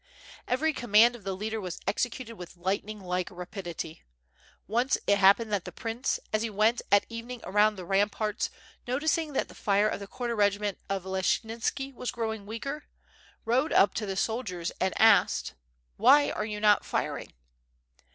Every command of the leader was executed with lightning like rapidity. Once it happened that the prince, as he went at evening around the ramparts, noticing that the fire of the quarter regiment of Leschynski was growing weaker, rode up to the soldiers and asked: "Why are you not firing?